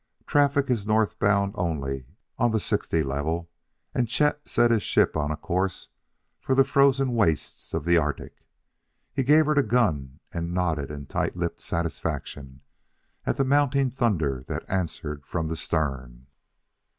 Traffic is north bound only on the sixty level, and Chet set his ship on a course for the frozen wastes of the Arctic; then he gave her the gun and nodded in tight lipped satisfaction at the mounting thunder that answered from the stern.